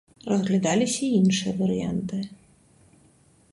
Разглядаліся і іншыя варыянты.